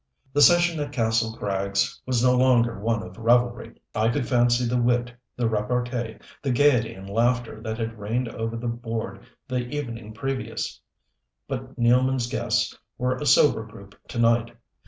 The session at Kastle Krags was no longer one of revelry. I could fancy the wit, the repartee, the gaiety and laughter that had reigned over the board the evening previous; but Nealman's guests were a sober group to night.